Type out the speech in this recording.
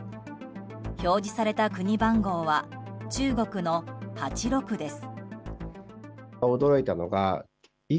表示された国番号は中国の８６です。